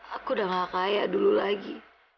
aku udah gak kayak dulu lagi